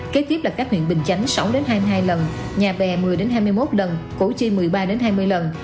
kế tiếp là các huyện bình chánh sáu hai mươi hai lần nhà bè một mươi hai mươi một lần củ chi một mươi ba hai mươi lần